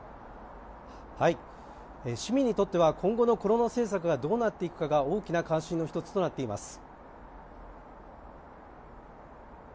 市民にとっては今後のコロナ政策がどうなっていくかが大きな関心の一つとなっています。